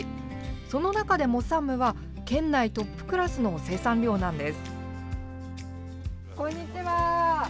その中でも山武は県内トップクラスの生産量なんです。